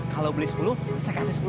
kalau beli rp sepuluh saya kasih rp sepuluh